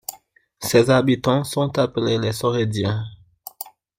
Ses habitants sont appelés les Sorédiens.